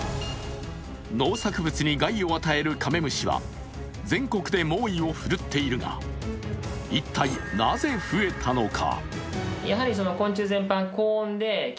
農作物に害を与えるカメムシは全国で猛威を振るっているが一体なぜ増えたのか。